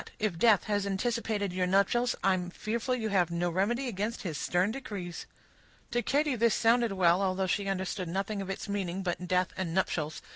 If death has anticipated your nuptials, I am fearful you have no remedy against his stern decrees." To Katy this sounded well, although she understood nothing of its meaning, but "death" and "nuptials."